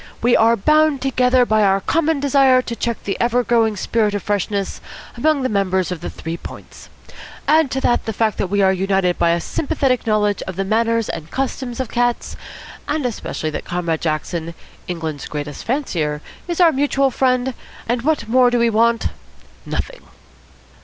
We are bound together by our common desire to check the ever growing spirit of freshness among the members of the Three Points. Add to that the fact that we are united by a sympathetic knowledge of the manners and customs of cats, and especially that Comrade Jackson, England's greatest fancier, is our mutual friend, and what more do we want? Nothing."